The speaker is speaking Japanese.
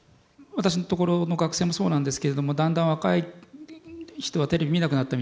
私のところの学生もそうなんですけれどもだんだん若い人はテレビ見なくなったみたいなことが言われて。